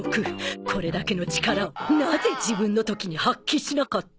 これだけの力をなぜ自分の時に発揮しなかった？